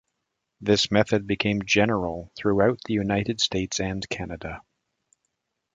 This method became general throughout the United States and Canada.